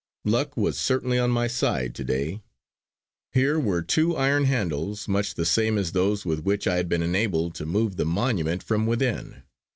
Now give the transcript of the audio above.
Luck was certainly on my side to day! Here were two iron handles, much the same as those with which I had been enabled to move the monument from within.